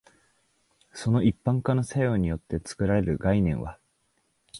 その一般化の作用によって作られる概念は、